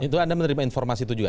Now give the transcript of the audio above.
itu anda menerima informasi itu juga